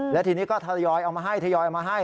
แล้วทีนี้ก็ทยอยเอามาให้ทยอยเอามาให้